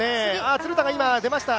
鶴田が今、出ました。